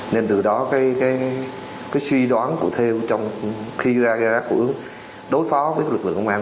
nên từ đó cái suy đoán của theo trong khi ra của đối phó với lực lượng công an